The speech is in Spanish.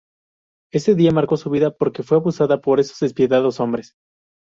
Ese día marcó su vida, porque fue abusada por esos despiadados hombres.